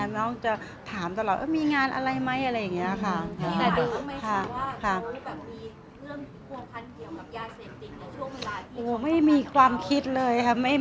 เรื่องควบคันเกี่ยวกับยาเสร็จติดในช่วงเวลาที่เขาทำงาน